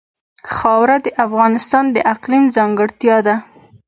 خاوره د افغانستان د اقلیم ځانګړتیا ده.